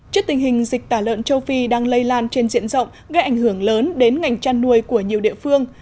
trước tình hình dịch tả lợn châu phi đang lây lan trên diện rộng gây ảnh hưởng lớn đến ngành chăn nuôi của nhiều địa phương